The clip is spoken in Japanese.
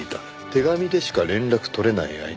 手紙でしか連絡取れない相手。